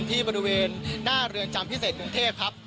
ที่บริเวณหน้าเรือนจำพิเศษกรุงเทพครับ